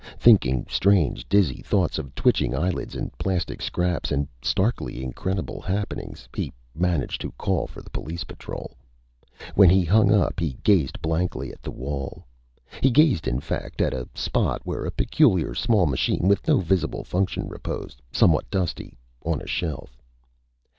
Thinking strange, dizzy thoughts of twitching eyelids and plastic scraps and starkly incredible happenings, he managed to call for the police patrol. When he hung up, he gazed blankly at the wall. He gazed, in fact, at a spot where a peculiar small machine with no visible function reposed somewhat dusty on a shelf.